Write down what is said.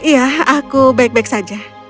ya aku baik baik saja